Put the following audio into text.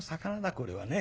これはね。